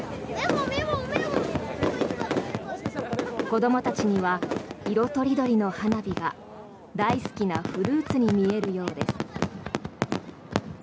子どもたちには色とりどりの花火が大好きなフルーツに見えるようです。